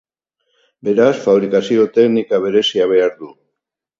Beraz, fabrikazio-teknika berezia behar du.